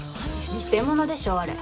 偽物でしょあれ。